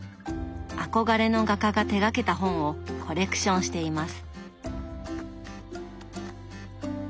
憧れの画家が手がけた本をコレクションしています。